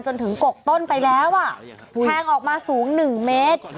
จนถึงกกต้นไปแล้วอ่ะแทงออกมาสูง๑เมตร